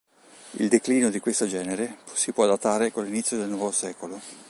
Il declino di questo genere si può datare con l'inizio del nuovo secolo.